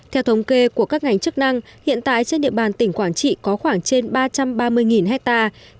theo thống kê của các ngành chức năng hiện tại trên địa bàn tỉnh quảng trị có khoảng trên ba trăm ba mươi hectare